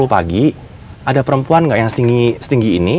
jam sepuluh pagi ada perempuan gak yang setinggi ini